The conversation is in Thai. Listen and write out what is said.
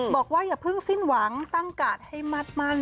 อย่าเพิ่งสิ้นหวังตั้งกาดให้มัดมั่น